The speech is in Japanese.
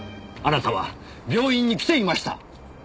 あなたは病院に来ていました。